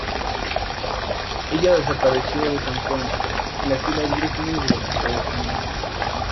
Ella desapareció de San Juan en las Islas Vírgenes de los Estados Unidos.